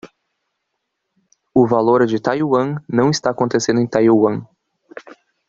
O valor de Taiwan não está acontecendo em Taiwan.